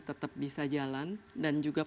tetap bisa jalan dan juga